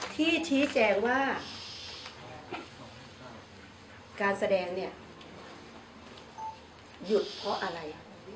ชี้แจงว่าการแสดงเนี่ยหยุดเพราะอะไร